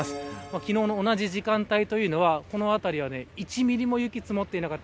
昨日の同じ時間帯というのはこの辺りは１ミリも雪積もっていなかった。